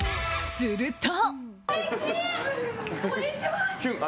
すると。